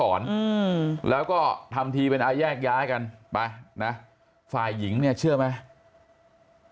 ขวดนะคุณเขมฤษรแล้วก็ทำที่เป็นแยกย้ายกันไปนะฟายหญิงเนี่ยเชื่อไหม